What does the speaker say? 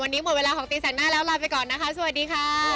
วันนี้หมดเวลาของตรีสัตว์หน้าแล้วเราไปก่อนสวัสดีครับ